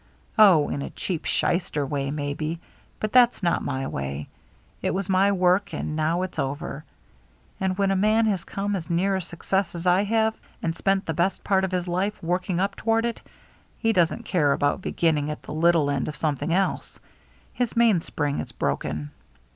Oh, in a cheap, shyster way, maybe ; but that's not my way. It was my work and now it's over. And when a man has come as near success as I have, and spent the best part of his life working 2B 386 THE MERRT ANNE up toward it, he doesn't care about beginning at the little end of something else. His main spring is broken."